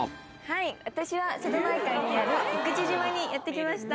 私は瀬戸内海にある生口島にやって来ました。